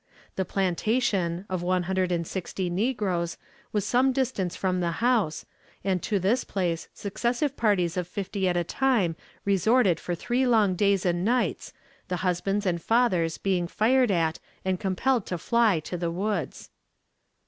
The plantation, of one hundred and sixty negroes, was some distance from the house, and to this place successive parties of fifty at a time resorted for three long days and nights, the husbands and fathers being fired at and compelled to fly to the woods.